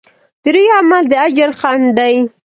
د ریا عمل د اجر خنډ دی.